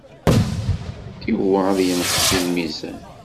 Yuba ad yenqes deg lmizan.